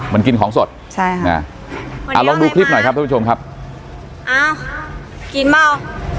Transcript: มันกินของสดใช่ค่ะอ่าลองดูคลิปหน่อยครับท่านผู้ชมครับอ้าวกินเปล่า